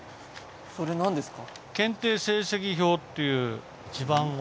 それ何ですか？